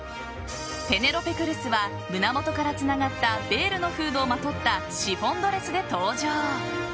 ペネロペ・クルスは胸元からつながったベールのフードをまとったシフォンドレスで登場。